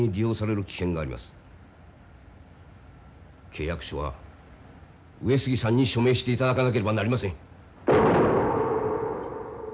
契約書は上杉さんに署名していただかなければなりません。